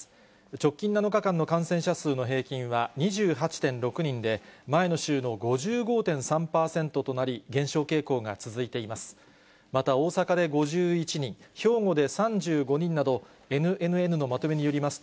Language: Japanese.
直近７日間の感染者数の平均は２８．６人で、前の週の５５．３％となり、減少傾向が続いています。